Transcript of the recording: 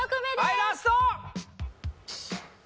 はいラスト！